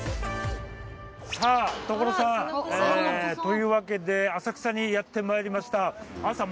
さあ所さんええというわけで浅草にやってまいりました。